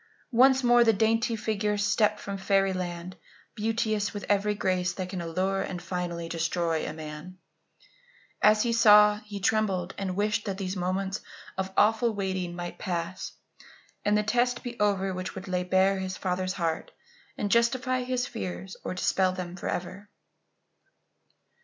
Once more the dainty figure stepped from fairy land, beauteous with every grace that can allure and finally destroy a man. And as he saw, he trembled and wished that these moments of awful waiting might pass and the test be over which would lay bare his father's heart and justify his fears or dispel them forever.